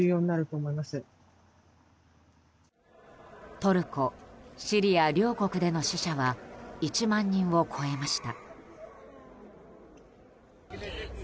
トルコ、シリア両国での死者は１万人を超えました。